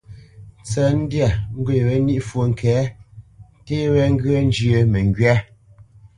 Ntsə̌ntndyâ ŋgwê wé ní fwo ŋke, nté wé ŋgyə̂ njyə́ məŋgywá.